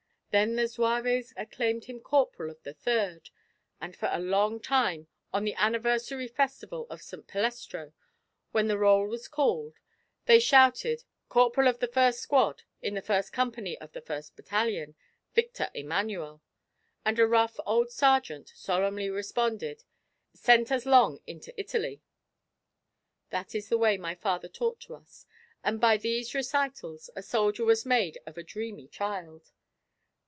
Then the zouaves acclaimed him corporal of the Third. And for a long time on the anniversary festival of St. Palestro, when the roll was called, they shouted 'Corporal of the first squad, in the first company of the first battalion, Victor Emmanuel,' and a rough old sergeant solemnly responded: 'Sent as long into Italy.' "That is the way my father talked to us, and by these recitals, a soldier was made of a dreamy child.